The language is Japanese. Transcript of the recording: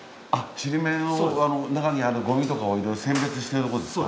ちりめんの中にあるゴミとかを選別しているところですか？